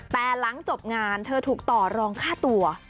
แต่หลังจบงานเธอถูกต่อรองฆ่าตัว